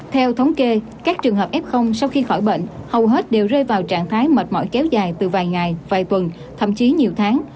theo thống kê các trường hợp f sau khi khỏi bệnh hầu hết đều rơi vào trạng thái mệt mỏi kéo dài từ vài ngày vài tuần thậm chí nhiều tháng